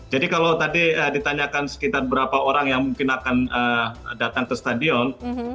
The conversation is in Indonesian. kalau tadi ditanyakan sekitar berapa orang yang mungkin akan datang ke stadion